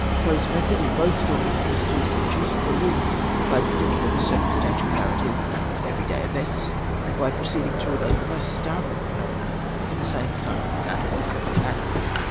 Poe's method in both stories is to induce belief by beginning with a circumstantial narrative of every day events, and by proceeding to relate the most startling phenomena in the same calm, matter of fact manner.